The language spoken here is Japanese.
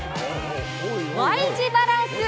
Ｙ字バランス。